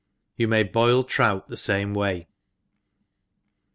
You may boil trout the fame way.